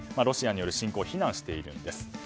ロシアによる侵攻を非難しているんです。